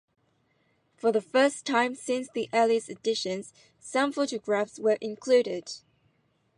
For the first time since the earliest editions some photographs were included.